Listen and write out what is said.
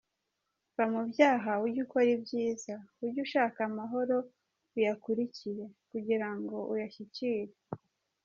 Va mu byaha ujye ukora ibyiza, Ujye ushaka amahoro uyakurikire, Kugira ngo uyashyikire.